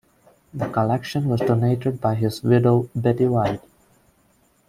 The collection was donated by his widow, Betty White.